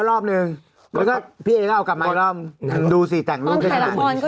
กระเตยดิเป็นแสบ